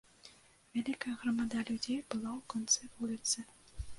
Вялікая грамада людзей была ў канцы вуліцы.